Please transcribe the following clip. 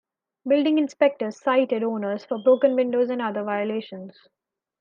Building inspectors cited owners for broken windows and other violations.